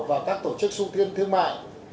và các tổ chức xuất tiến thương mại